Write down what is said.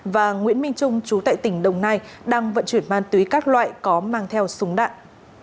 và nguyễn minh trung chú tại tỉnh đồng nai đang vận chuyển ma túy các loại có mang theo súng đạn